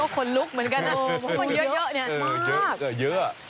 ก็คนลุกเหมือนกันนะมาก